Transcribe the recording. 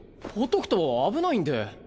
ほっとくと危ないんで。